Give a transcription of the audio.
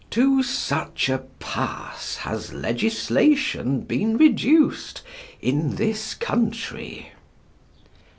To such a pass has legislation been reduced in this country!